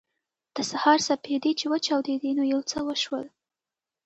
د سهار سپېدې چې وچاودېدې نو یو څه وشول